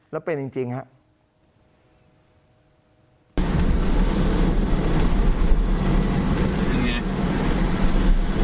แล้วเป็นจริงครับ